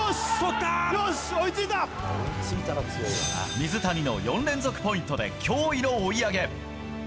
水谷の４連続ポイントで驚異の追い上げ。